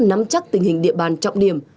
nắm chắc tình hình địa bàn trọng điểm